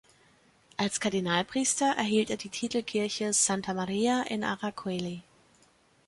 Als Kardinalpriester erhielt er die Titelkirche "Santa Maria in Aracoeli".